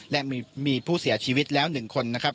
และมีผู้เสียชีวิตแล้ว๑คนนะครับ